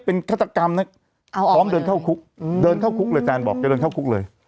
เป็นฆาตกรรมนะพร้อมเดินเข้าคุกเดินเข้าคุกเลยแฟนบอกจะเดินเข้าคุกเลย